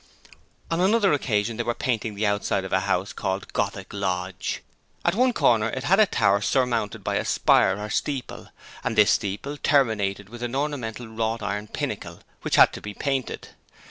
On another occasion they were painting the outside of a house called 'Gothic Lodge'. At one corner it had a tower surmounted by a spire or steeple, and this steeple terminated with an ornamental wrought iron pinnacle which had to be painted.